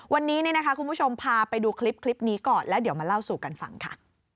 วันนี้คุณผู้ชมพาไปดูคลิปนี้ก่อนแล้วเดี๋ยวมาเล่าสู่กันฟังค่ะ